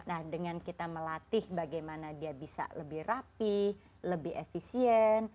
dan dengan kita melatih bagaimana dia bisa lebih rapi lebih efisien